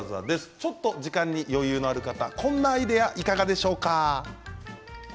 ちょっと時間に余裕がある方こんなアイデアいかがでしょうか。